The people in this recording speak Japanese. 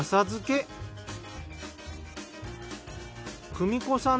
久美子さん